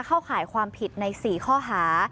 ข่ายความผิดใน๔ข้อหา